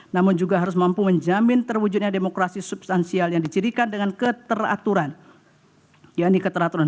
namun juga harus mampu menjamin terwujudnya demokrasi substansial yang dicirikan dengan keteraturan